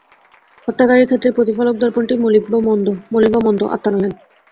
হত্যাকারীর ক্ষেত্রে প্রতিফলক-দর্পণটিই মলিন বা মন্দ, আত্মা নহেন।